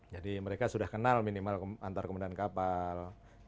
jadi mereka sudah kenal minimal antar kemudahan kapal